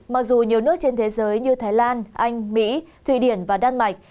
mặc dù nhiều nước trên thế giới như thái lan anh mỹ thụy điển và đan mạch